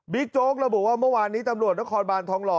บิ๊กโจ๊กเราบอกว่าเมื่อวานนี้ตำรวจละครบานทองหล่อ